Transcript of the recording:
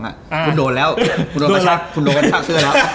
คุณโดนแล้วคุณโดนกระชากเสื้อแล้ว